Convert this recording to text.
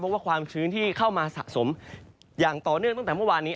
เพราะว่าความชื้นที่เข้ามาสะสมอย่างต่อเนื่องตั้งแต่เมื่อวานนี้